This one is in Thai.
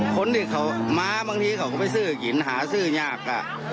คนที่เขามาบางทีเขาก็ไปซื้อกินหาซื้อยาก